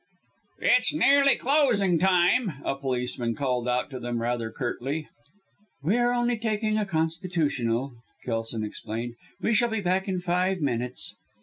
"It's nearly closing time," a policeman called out to them rather curtly. "We are only taking a constitutional," Kelson explained. "We shall be back in five minutes."